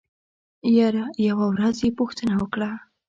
يره يوه ورځ يې پوښتنه وکړه.